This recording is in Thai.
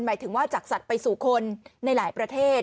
หมายถึงว่าจากสัตว์ไปสู่คนในหลายประเทศ